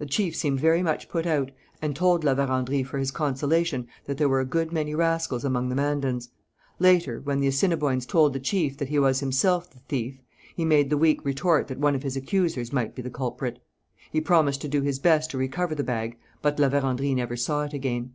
The chief seemed very much put out and told La Vérendrye for his consolation that there were a good many rascals among the Mandans. Later, when the Assiniboines told the chief that he was himself the thief, he made the weak retort that one of his accusers might be the culprit. He promised to do his best to recover the bag, but La Vérendrye never saw it again.